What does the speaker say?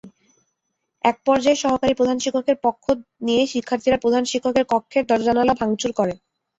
একপর্যায়ে সহকারী প্রধান শিক্ষকের পক্ষ নিয়ে শিক্ষার্থীরা প্রধান শিক্ষকের কক্ষের দরজা-জানালা ভাঙচুর করে।